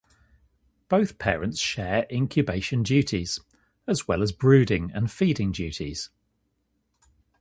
Both parents share incubation duties, as well as brooding and feeding duties.